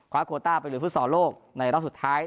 ความควบควอต้าไปลุยฟุตสอโลกในรอบสุดท้าย